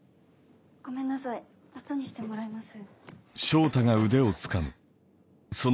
ごめんなさい後にしてもらえます？